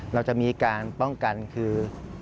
เราจะมีการป้องกันคือ